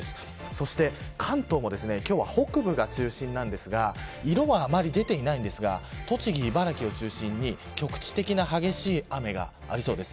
そして、関東も今日は北部が中心ですが色はあまり出ていないんですが栃木、茨城を中心に局地的な激しい雨がありそうです。